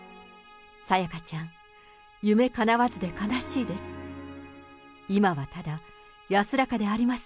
沙也加ちゃん、夢かなわずで悲しいです。